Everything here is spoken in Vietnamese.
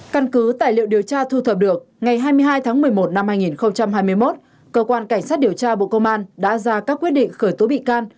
căn cứ tài liệu điều tra thu thập được ngày hai mươi hai tháng một mươi một năm hai nghìn hai mươi một cơ quan cảnh sát điều tra bộ công an đã ra các quyết định khởi tố bị can